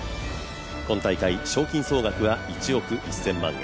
今大会賞金総額は１億１０００万円。